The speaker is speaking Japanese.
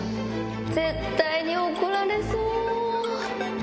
絶対に怒られそう。